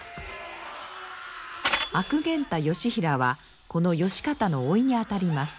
悪源太義平はこの義賢の甥にあたります。